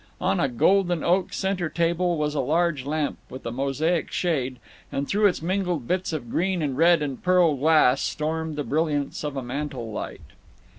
On a golden oak center table was a large lamp with a mosaic shade, and through its mingled bits of green and red and pearl glass stormed the brilliance of a mantle light.